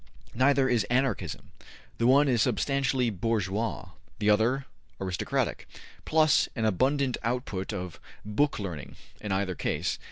Neither is Anarchism. The one is substantially bourgeois; the other aristocratic, plus an abundant output of book learning, in either case.